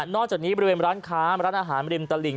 จากนี้บริเวณร้านค้าร้านอาหารริมตลิ่ง